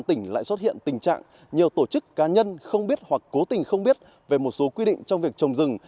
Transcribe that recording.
tỉnh lại xuất hiện tình trạng nhiều tổ chức cá nhân không biết hoặc cố tình không biết về một số quy định trong việc trồng rừng